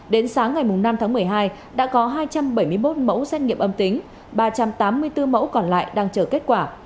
đến sáng ngày năm tháng một mươi hai đã có hai trăm bảy mươi một mẫu xét nghiệm âm tính ba trăm tám mươi bốn mẫu còn lại đang chờ kết quả